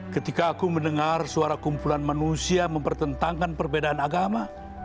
ketika aku mendengar suara kumpulan manusia mempertentangkan perbedaan agama